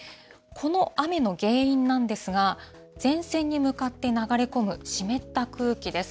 この雨の原因なんですが、前線に向かって流れ込む湿った空気です。